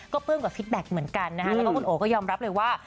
ก็ปลื้มกับฟิตแบ็คเหมือนกันนะคะแล้วก็คุณโอก็ยอมรับเลยว่า